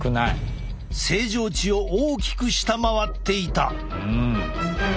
正常値を大きく下回っていた！